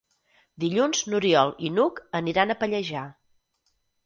Dilluns n'Oriol i n'Hug aniran a Pallejà.